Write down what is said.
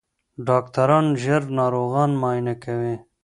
ډاکټران ژر ناروغان معاینه کوي.